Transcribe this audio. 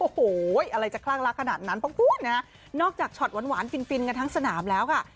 โหอะไรจะคลากลากขนาดนั้นนอกจากช็อตหวานฟินกันทั้งสนามแล้วค่ะ